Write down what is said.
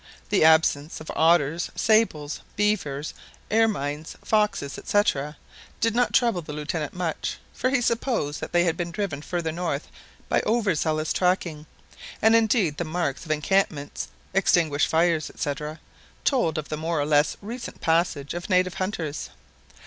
The absence of otters, sables, beavers, ermines, foxes, &c., did not trouble the Lieutenant much, for he supposed that they had been driven further north by over zealous tracking; and indeed the marks of encampments, extinguished fires, &c., told of the more or less recent passage of native hunters.